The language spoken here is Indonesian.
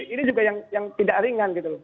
ini juga yang tidak ringan